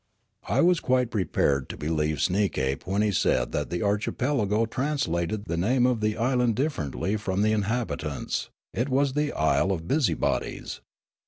I was quite prepared to believe Sneekape when he said that the archipelago translated the name of the island differentl}^ from the inhabitants ; it was the Isle of Busybodies.